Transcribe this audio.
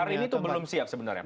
hari ini itu belum siap sebenarnya